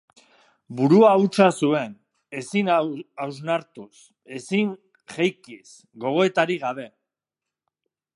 Burua hutsa zuen, ezin ausnartuz, ezin jeikiz, gogoetarik gabe.